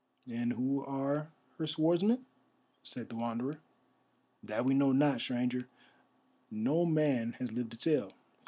"And who are her swordsmen?" said the Wanderer. "That we know not, Stranger; no man has lived to tell.